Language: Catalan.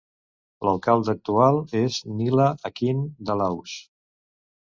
L'alcalde actual és Nyla Akin Dalhaus.